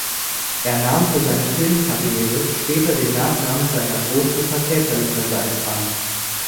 Er nahm für seine Filmkarriere später den Nachnamen seiner Großmutter väterlicherseits an.